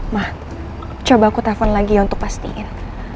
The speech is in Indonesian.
ma coba aku telepon lagi ya untuk pastiin